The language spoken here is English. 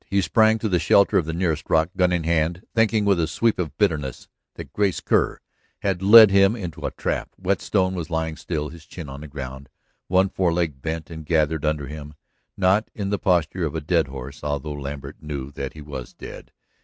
He sprang to the shelter of the nearest rock, gun in hand, thinking with a sweep of bitterness that Grace Kerr had led him into a trap. Whetstone was lying still, his chin on the ground, one foreleg bent and gathered under him, not in the posture of a dead horse, although Lambert knew that he was dead.